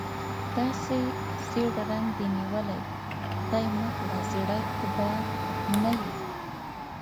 داسې ژېړ رنګ دې نیولی، خدای مکړه زېړی خو به نه یې؟